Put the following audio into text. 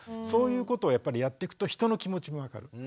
そういうことをやっぱりやっていくと人の気持ちも分かる。